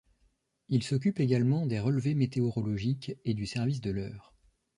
Il s'occupe également des relevés météorologiques et du service de l'heure.